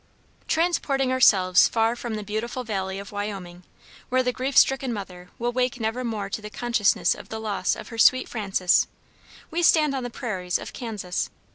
] Transporting ourselves far from the beautiful valley of Wyoming, where the grief stricken mother will wake never more to the consciousness of the loss of her sweet Frances, we stand on the prairies of Kansas.